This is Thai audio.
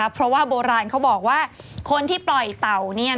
เพราะว่าโบราณเขาบอกว่าคนที่ปล่อยเต่า